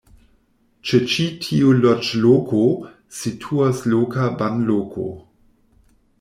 Ĉe ĉi tiu loĝloko situas loka banloko.